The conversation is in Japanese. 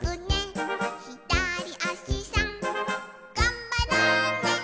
「ひだりあしさんがんばろうね」